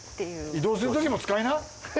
移動するときも使いな！